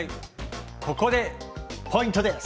ここでポイントです。